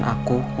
bisa berjalan lalu